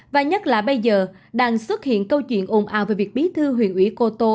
và nhất là bây giờ đang xuất hiện câu chuyện ồn ào về việc bí thư huyện ủy cô tô